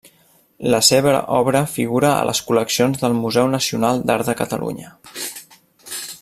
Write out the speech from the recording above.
La seva obra figura a les col·leccions del Museu Nacional d'Art de Catalunya.